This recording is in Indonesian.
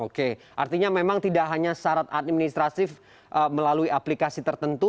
oke artinya memang tidak hanya syarat administrasif melalui aplikasi tertentu